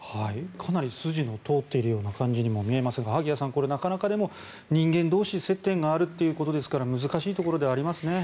かなり筋の通っているような感じにも見えますが萩谷さん、でも人間同士接点があるということですから難しいところではありますね。